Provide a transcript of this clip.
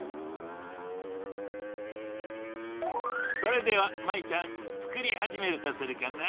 それでは舞ちゃんつくりはじめるとするかな。